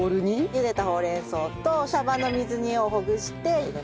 茹でたほうれん草とサバの水煮をほぐして入れます。